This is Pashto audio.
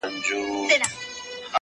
اشتها تر غاښ لاندي ده.